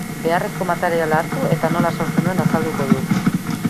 Beharrezko materiala hartu eta nola sortzen duen azalduko du.